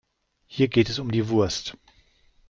Hier geht es um die Wurst.